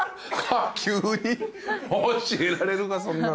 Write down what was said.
急に教えられるかそんな。